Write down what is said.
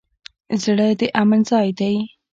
زړه د امن ځای دی.